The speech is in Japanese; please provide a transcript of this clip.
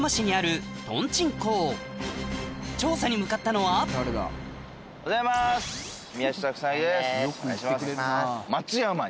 調査に向かったのはおはようございます宮下草薙ですお願いします。